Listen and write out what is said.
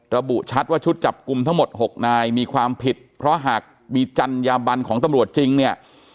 ระบุชัดว่าชุดจับกลุ่มทั้งหมด๖นายมีความผิดเพราะหากมีจัญญาบันของตำรวจจริงเนี่ย